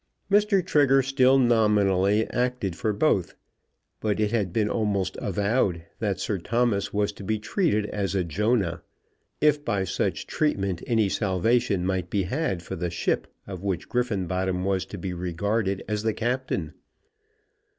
Mr. Trigger still nominally acted for both; but it had been almost avowed that Sir Thomas was to be treated as a Jonah, if by such treatment any salvation might be had for the ship of which Griffenbottom was to be regarded as the captain.